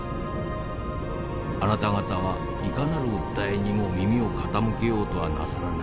あなた方はいかなる訴えにも耳を傾けようとはなさらない。